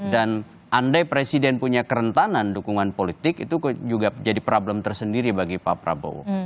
dan andai presiden punya kerentanan dukungan politik itu juga jadi problem tersendiri bagi pak prabowo